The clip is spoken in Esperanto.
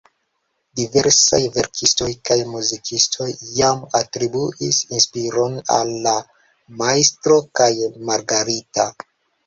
Diversaj verkistoj kaj muzikistoj jam atribuis inspiron al "La Majstro kaj Margarita".